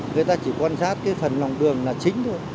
người ta chỉ quan sát cái phần lòng đường là chính thôi